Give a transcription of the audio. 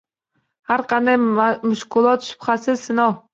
Har qanday mushkulot, shubhasiz, sinov